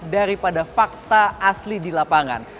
daripada fakta asli di lapangan